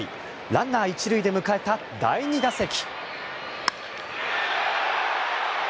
ランナー１塁で迎えた第２打席。